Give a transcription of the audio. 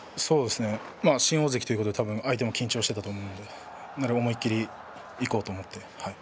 新大関ということで相手も緊張していたと思うのでならば思い切りいこうと思って。